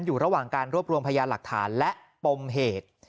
อยู่ระหว่างการรวบรวมพยานหลักฐานและปมเหตุ